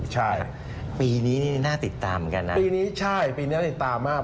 ใช่ปีนี้น่าติดตามกันนะปีนี้ใช่ปีนี้น่าติดตามมาก